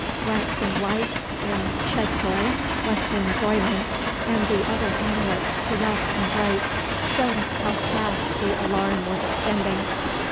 Glancing lights in Chedzoy, Westonzoyland, and the other hamlets to left and right, showed how fast the alarm was extending.